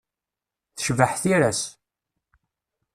Tecbeḥ tira-s.